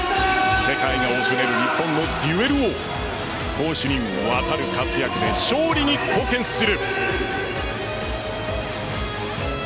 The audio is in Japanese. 世界の認める日本のデュエル王攻守にも渡る活躍で勝利に貢献する。